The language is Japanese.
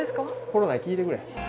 コロナに聞いてくれ。